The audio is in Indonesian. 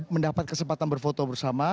mendapat kesempatan berfoto bersama